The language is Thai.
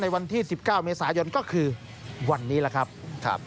วันที่๑๙เมษายนก็คือวันนี้แหละครับ